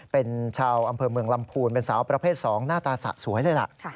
เป็นชาวอำเภอเมืองลำพูนเป็นสาวประเภท๒หน้าตาสะสวยเลยล่ะ